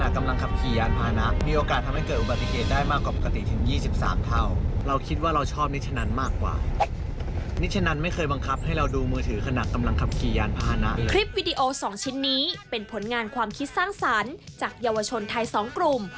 คลิปวิดีโอ๒ชิ้นนี้เป็นผลงานความคิดสร้างสรรค์จากเยาวชนไทย๒กลุ่ม